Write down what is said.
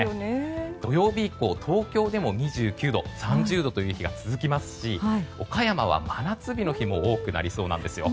土曜日以降、東京でも２９度３０度という日が続きますし岡山は真夏日の日も多くなりそうなんですよ。